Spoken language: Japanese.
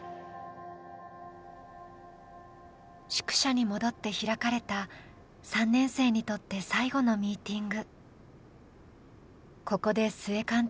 宿舎に戻って開かれた、３年生にとって最後のミーティング。